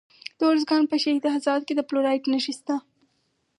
د ارزګان په شهید حساس کې د فلورایټ نښې شته.